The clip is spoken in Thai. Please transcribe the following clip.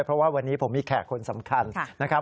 เพราะว่าวันนี้ผมมีแขกคนสำคัญนะครับ